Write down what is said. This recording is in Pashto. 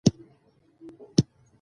تا ته به څۀ احساس وشي ـ